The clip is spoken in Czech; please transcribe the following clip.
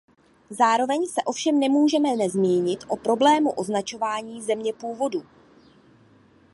Zároveň se ovšem nemůžeme nezmínit o problému označování země původu.